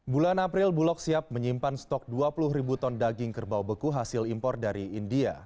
bulan april bulog siap menyimpan stok dua puluh ribu ton daging kerbau beku hasil impor dari india